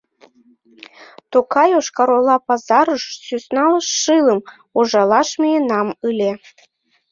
Тока Йошкар-Ола пазарыш сӧсна шылым ужалаш миенам ыле.